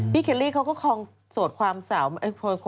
เคลลี่เขาก็คองโสดความสาว